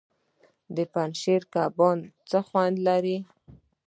د پنجشیر کبان څه خوند لري؟